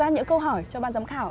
ra những câu hỏi cho ban giám khảo